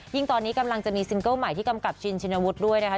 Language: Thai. ตอนนี้กำลังจะมีซิงเกิ้ลใหม่ที่กำกับชินชินวุฒิด้วยนะคะ